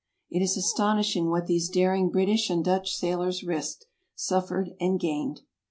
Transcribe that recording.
It is astonish ing what these daring British and Dutch sailors risked, suffered, and gained.